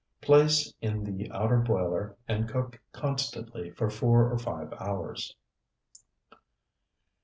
Place in the outer boiler and cook constantly for four or five hours.